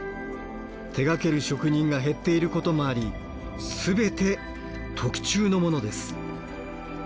手がける職人が減っていることもあり全て特注のものです。